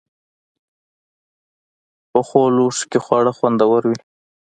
پخو لوښو کې خواړه خوندور وي